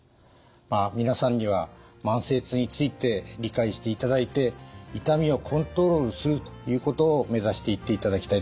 皆さんには慢性痛について理解していただいて痛みをコントロールするということをめざしていっていただきたいと思います。